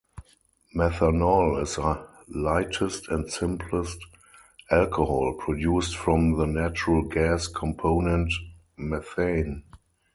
Methanol is the lightest and simplest alcohol, produced from the natural gas component methane.